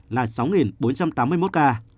là sáu bốn trăm tám mươi một ca